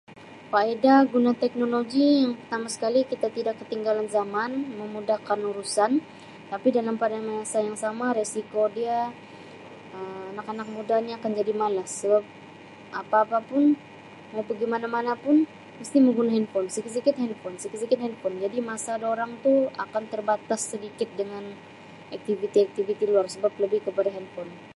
Faedah guna teknologi yang pertama sekali kita tidak ketinggalan zaman memudahkan urusan tapi dalam pada masa yang sama risiko dia Um anak-anak muda ni akan jadi malas sebab apa-apapun mau pigi mana-mana pun mesti mau guna henpon, sikit-sikit henpon, sikit-sikit henpon jadi masa durang tu akan terbatas sedikit dengan aktiviti-aktiviti luar sebab lebih kepada henpon.